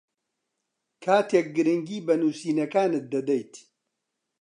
کاتێک گرنگی بە نووسینەکانت دەدەیت